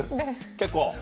結構。